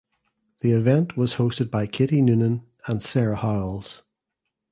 The event was hosted by Katie Noonan and Sarah Howells.